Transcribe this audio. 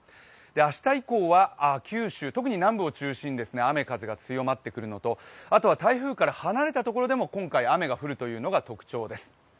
明日以降は九州、特に南部を中心に雨風が強まってくるのとあとは台風から離れたところでも今回雨が降るというのが特徴です。